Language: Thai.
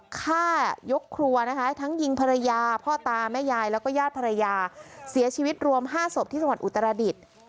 ฆ่ายกครัวนะคะทั้งยิงภรรยาพ่อตาแม่ยายแล้วก็ญาติภรรยาเสียชีวิตรวม๕ศพที่จังหวัดอุตรดิษฐ์